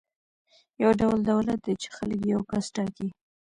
یو ډول دولت دی چې خلک یې یو کس ټاکي.